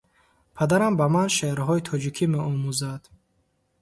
Падарам ба ман шеърҳои тоҷикӣ меомӯзад.